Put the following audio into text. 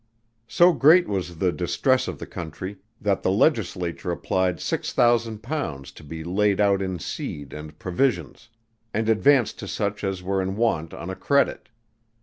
So great was the distress of the country, that the Legislature applied £6,000 to be laid out in seed and provisions, and advanced to such as were in want on a credit.